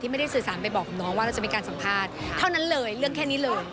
ไม่ได้สื่อสารไปบอกกับน้องว่าเราจะมีการสัมภาษณ์เท่านั้นเลยเรื่องแค่นี้เลย